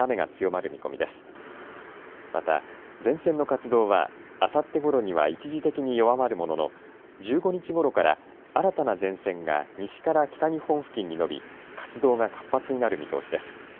また前線の活動はあさってごろには一時的に弱まるものの、１５日ごろから新たな前線が西から北日本付近に延び活動が活発になる見通しです。